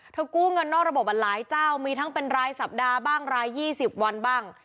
กู้เงินนอกระบบหลายเจ้ามีทั้งเป็นรายสัปดาห์บ้างราย๒๐วันบ้าง